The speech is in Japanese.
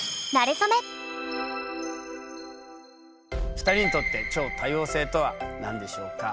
２人にとって超多様性とは何でしょうか？